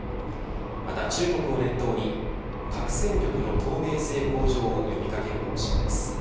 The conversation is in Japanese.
また、中国を念頭に核戦力の透明性向上を呼びかける方針です。